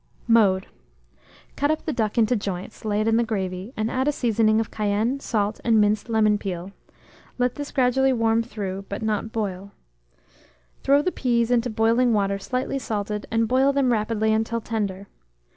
Mode. Cut up the duck into joints, lay it in the gravy, and add a seasoning of cayenne, salt, and minced lemon peel; let tins gradually warm through, but not boil. Throw the peas into boiling water slightly salted, and boil them rapidly until tender.